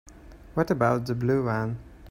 What about the blue one?